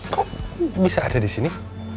kok bisa ada di sini